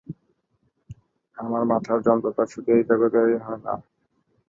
আমার মাথার যন্ত্রণাটা শুধু এই জগতেই হয় না।